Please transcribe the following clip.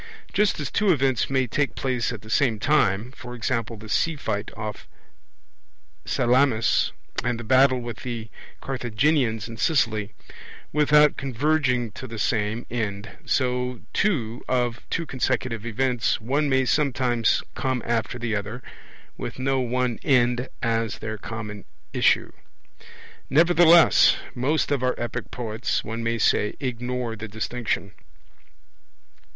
Just as two events may take place at the same time, e.g. the sea fight off Salamis and the battle with the Carthaginians in Sicily, without converging to the same end, so too of two consecutive events one may sometimes come after the other with no one end as their common issue. Nevertheless most of our epic poets, one may say, ignore the distinction.